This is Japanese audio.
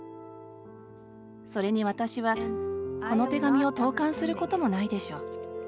それに私は、この手紙を投かんすることもないでしょう。